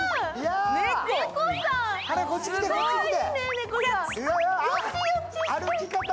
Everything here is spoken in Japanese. こっち来て、こっち来て。